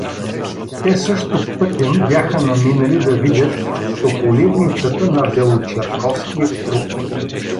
Те също пътем бяха наминали да видят тополивницата на белочерковския Круп.